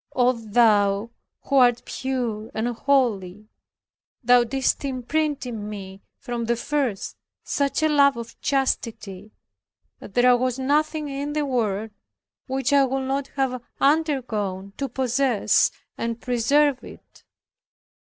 Oh, Thou who art pure and holy, Thou didst imprint in me from the first such a love of chastity, that there was nothing in the world which I would not have undergone to possess and preserve it.